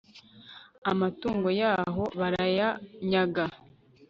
amatungo yaho barayanyaga